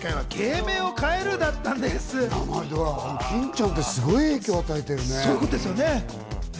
欽ちゃんってすごい影響を与えてるね。